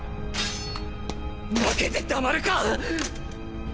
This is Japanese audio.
負けてたまるか！